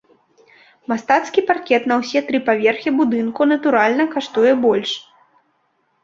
Мастацкі паркет на ўсе тры паверхі будынку, натуральна, каштуе больш.